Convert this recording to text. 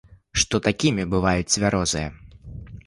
Што такімі бываюць цвярозыя.